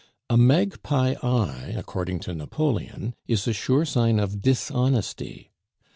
A magpie eye, according to Napoleon, is a sure sign of dishonesty.